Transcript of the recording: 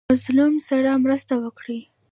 مظلوم سره مرسته وکړئ